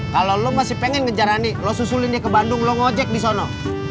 kalo lo masih pengen ngejar ani lo susulin dia ke bandung lo ngojek disono